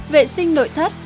vệ sinh nội thất